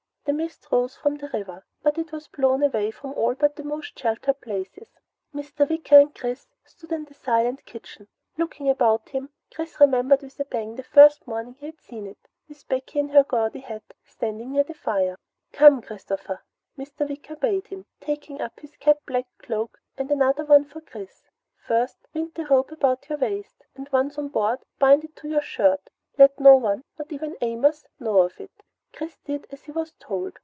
A mist rose from the river, but it was blown away from all but the most sheltered places. Mr. Wicker and Chris stood in the silent kitchen. Looking about him, Chris remembered with a pang the first morning he had seen it, with Becky in her gaudy hat standing near the fire. "Come, Christopher," Mr. Wicker bade him, taking up his caped black cloak and another one for Chris. "First, wind the rope about your waist, and once on board, bind it under your shirt. Let no one, not even Amos, know of it." Chris did as he was told.